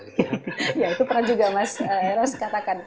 ya itu pernah juga mas eros katakan